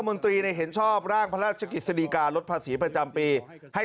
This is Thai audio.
นตรีเห็นชอบร่างพระราชกิจสดีการลดภาษีประจำปีให้